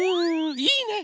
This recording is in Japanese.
いいね。